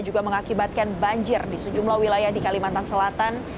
juga mengakibatkan banjir di sejumlah wilayah di kalimantan selatan